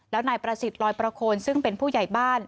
แล้วนายประสิทธิ์ลอยประโคนซึ่งเป็นผู้ใหญ่บ้าน